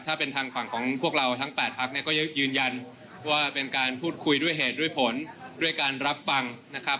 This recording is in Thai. ถ้าเป็นทางฝั่งของพวกเราทั้ง๘พักเนี่ยก็ยังยืนยันว่าเป็นการพูดคุยด้วยเหตุด้วยผลด้วยการรับฟังนะครับ